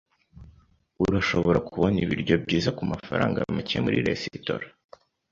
Urashobora kubona ibiryo byiza kumafaranga make muri resitora.